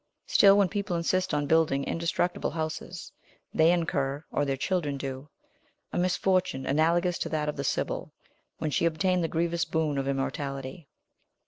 Still, when people insist on building indestructible houses, they incur, or their children do, a misfortune analogous to that of the Sibyl, when she obtained the grievous boon of immortality.